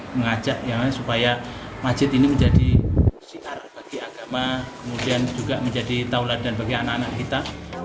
mengajak supaya masjid ini menjadi siar bagi agama kemudian juga menjadi tauladan bagi anak anak kita